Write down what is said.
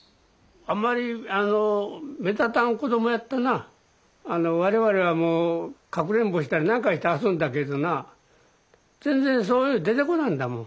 あんまりあの我々はもうかくれんぼしたり何かして遊んだけどな全然そういうの出てこなんだもん。